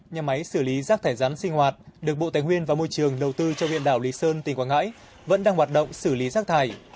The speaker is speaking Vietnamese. nhà máy xử lý rác thải rắn sinh hoạt được bộ tài nguyên và môi trường đầu tư cho huyện đảo lý sơn tỉnh quảng ngãi vẫn đang hoạt động xử lý rác thải